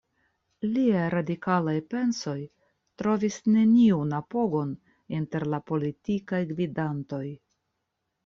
Liaj radikalaj pensoj trovis neniun apogon inter la politikaj gvidantoj.